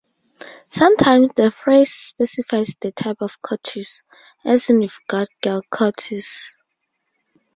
Sometimes the phrase specifies the type of cooties, as in you've got girl cooties!